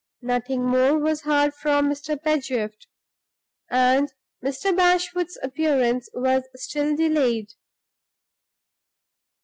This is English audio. Nothing more was heard from Mr. Pedgift; and Mr. Bashwood's appearance was still delayed.